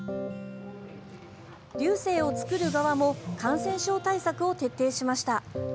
龍勢を作る側も感染症対策を徹底しました。